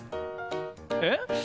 えっ？